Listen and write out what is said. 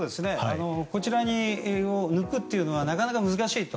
こちらを抜くというのはなかなか難しいと。